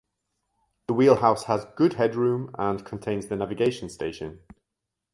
The wheelhouse has good headroom and contains the navigation station.